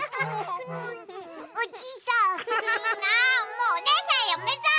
もうおねえさんやめた！